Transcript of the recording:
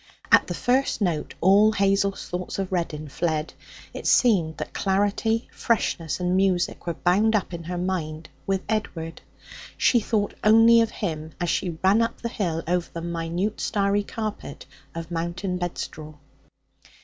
At the first note all Hazel's thoughts of Reddin fled. It seemed that clarity, freshness, and music were bound up in her mind with Edward. She thought only of him as she ran up the hill over the minute starry carpet of mountain bedstraw.